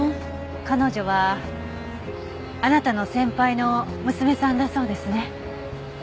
彼女はあなたの先輩の娘さんだそうですね。